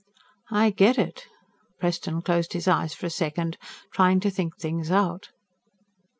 "I get it." Preston closed his eyes for a second, trying to think things out.